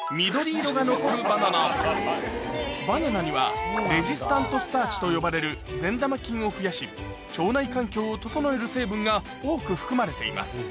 バナナにはレジスタントスターチと呼ばれる善玉菌を増やし腸内環境を整える成分が多く含まれています